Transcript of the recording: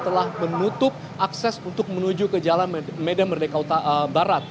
telah menutup akses untuk menuju ke jalan medan merdeka utara barat